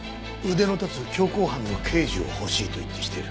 腕の立つ強行犯の刑事を欲しいと言ってきてる。